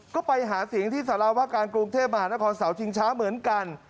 ก็ไปหาเสียงที่สารวการกรุงเทพมหานครเสาชิงช้าเหมือนกัน